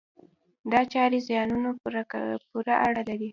دا چارې زیانونو پورې اړه لري.